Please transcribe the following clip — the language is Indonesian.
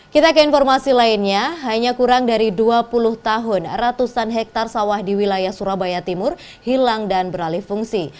kita ke informasi lainnya hanya kurang dari dua puluh tahun ratusan hektare sawah di wilayah surabaya timur hilang dan beralih fungsi